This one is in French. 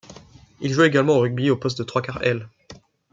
Il jouait également au rugby, au poste de trois-quart aile.